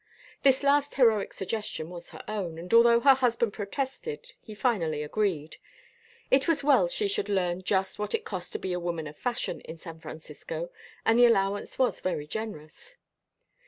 This last heroic suggestion was her own, and although her husband protested he finally agreed; it was well she should learn just what it cost to be a woman of fashion in San Francisco, and the allowance was very generous.